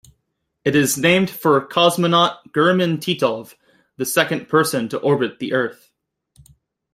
It is named for cosmonaut Gherman Titov, the second person to orbit the Earth.